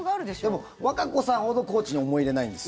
でも、和歌子さんほど高知に思い入れないんです。